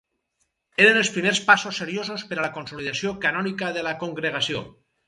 Eren els primers passos seriosos per a la consolidació canònica de la Congregació.